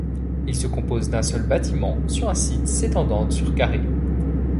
Il se compose d'un seul bâtiment sur un site s'étendant sur carrés.